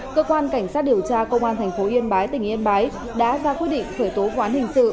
cơ quan cảnh sát điều tra công an tp yên bái tỉnh yên bái đã ra quyết định khởi tố quán hình sự